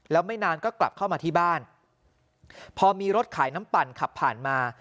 แล้วไม่นานก็กลับเข้ามาที่บ้านพอมีรถขายน้ำปั่นขับผ่านมา